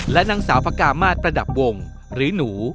และนางสาวพระกามาศประดับวงหรือหนู